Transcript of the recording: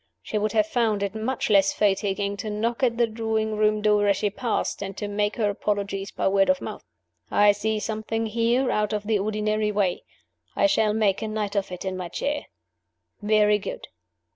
She would have found it much less fatiguing to knock at the drawing room door as she passed, and to make her apologies by word of mouth. I see something here out of the ordinary way; I shall make a night of it in my chair. Very good.